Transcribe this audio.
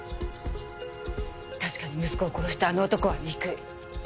確かに息子を殺したあの男は憎い。